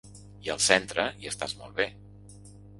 I al centre, hi estàs molt bé.